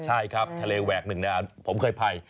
ใช่ครับทะเลแหวกหนึ่งผมเคยไป